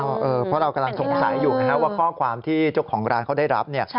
เพราะเรากำลังสงสัยอยู่ไงครับว่าข้อความที่เจ้าของร้านเขาได้รับเนี่ย